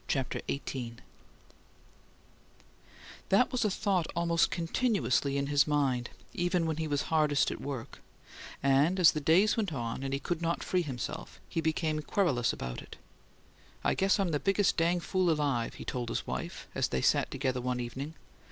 CHAPTER XVIII That was a thought almost continuously in his mind, even when he was hardest at work; and, as the days went on and he could not free himself, he became querulous about it. "I guess I'm the biggest dang fool alive," he told his wife as they sat together one evening.